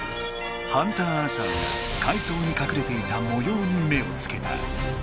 ハンターアーサーがかいそうにかくれていたもように目をつけた。